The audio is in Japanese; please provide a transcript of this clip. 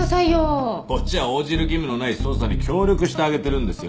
こっちは応じる義務のない捜査に協力してあげてるんですよ。